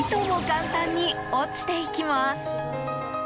簡単に落ちていきます。